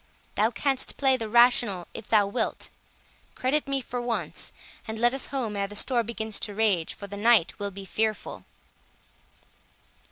Thou canst play the rational if thou wilt; credit me for once, and let us home ere the storm begins to rage, for the night will be fearful."